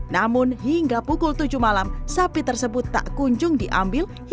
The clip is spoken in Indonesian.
namun hingga pukul tujuh malam sapi tersebut tak kunjung diambil